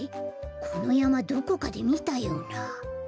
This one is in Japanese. このやまどこかでみたような。